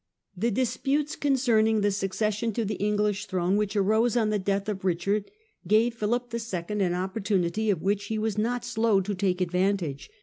The disputes concerning the succes sion to the English throne which arose on the death of Eichard gave Philip II. an opportunity of which he was not slow to take advantage.